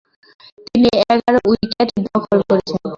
তিনি এগারো উইকেট দখল করেছিলেন।